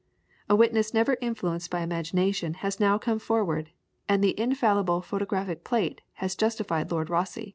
A witness never influenced by imagination has now come forward, and the infallible photographic plate has justified Lord Rosse.